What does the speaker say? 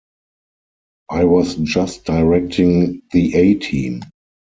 I was just directing "The A-Team".